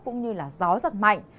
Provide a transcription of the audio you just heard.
cũng như là gió rất mạnh